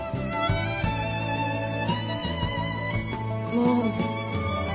もう。